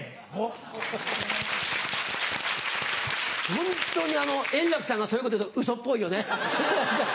ホントに円楽さんがそういうこと言うとウソっぽいよね。